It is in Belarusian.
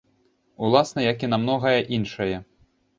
Уласна, як і на многае іншае.